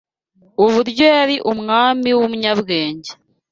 uburyo yari umwami w’umunyabwenge